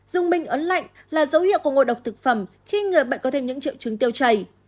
dung minh ấn lạnh là dấu hiệu của ngộ độc thực phẩm khi người bệnh có thêm những triệu chứng tiêu chảy